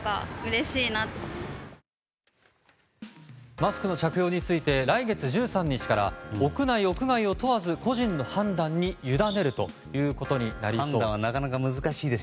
マスクの着用について来月１３日から屋内・屋外を問わず個人の判断に委ねることになりそうです。